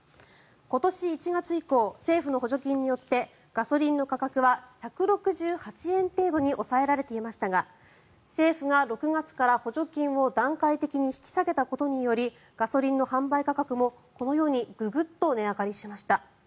今年１月以降政府の補助金によってガソリンの価格は１６８円程度に抑えられていましたが政府が６月から補助金を段階的に引き下げたことによりガソリンの販売価格もこのようにググッと値上がりしました。